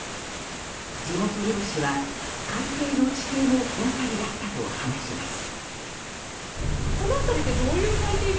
地元漁師は、海底の地形も気がかりだったと話します。